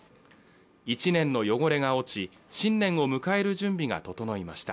１年の汚れが落ち新年を迎える準備が整いました